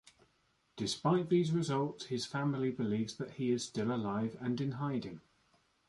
Despite these results, his family believes that he is still alive and in hiding.